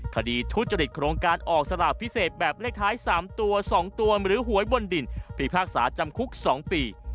คดีทุจริตโครงการออกสลากพิเศษแบบเลขท้าย๓ตัว๒ตัวหรือหวยบนดินพิพากษาจำคุก๒ปี